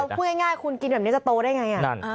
พูดง่ายคุณกินแบบนี้จะโตได้ไง